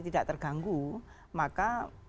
tidak terganggu maka